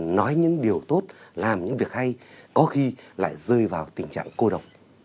nói những điều tốt làm những việc hay có khi lại rơi vào tình trạng cô đồng